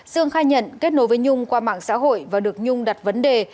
dương khai nhận kết nối với nhung qua mạng xã hội và được nhung đặt vấn đề